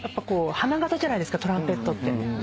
花形じゃないですかトランペットって。